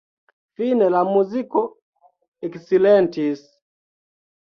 Fine la muziko eksilentis.